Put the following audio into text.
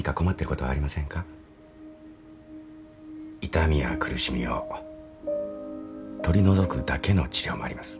痛みや苦しみを取り除くだけの治療もあります。